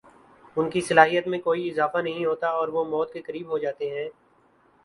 ان کی صلاحیت میں کوئی اضافہ نہیں ہوتا اور وہ موت کےقریب ہوجاتے ہیں